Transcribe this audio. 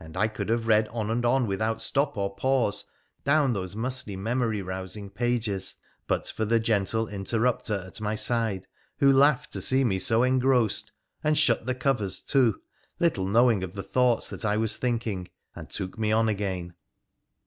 W 307 I could have read on and on without stop or pause down those musty memory rousing pages but for the gentle interrupter at my side, who laughed to see me so engrossed, and shut the covers to, little knowing of the thoughts that I was thinking, and took me on again.